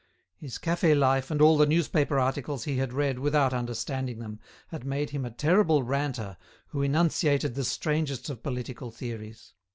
His cafe life and all the newspaper articles he had read without understanding them had made him a terrible ranter who enunciated the strangest of political theories.